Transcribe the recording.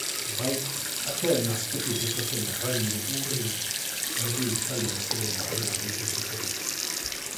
Bai, atearen azpitik zetozen errainu urri erdi itzaliak ziren barrena argitzen zutenak.